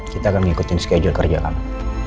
kita akan mengikutin schedule kerja kamu